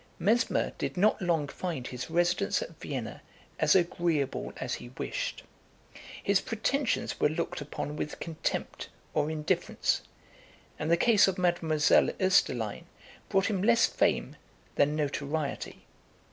Mesmer did not long find his residence at Vienna as agreeable as he wished. His pretensions were looked upon with contempt or indifference, and the case of Mademoiselle Oesterline brought him less fame than notoriety.